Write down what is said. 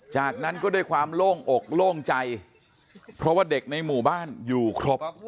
จากนั้นก็ด้วยความโล่งอกโล่งใจเพราะว่าเด็กในหมู่บ้านอยู่ครบ